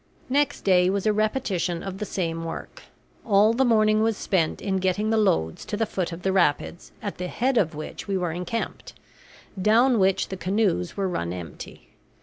Next day was a repetition of the same work. All the morning was spent in getting the loads to the foot of the rapids at the head of which we were encamped, down which the canoes were run empty.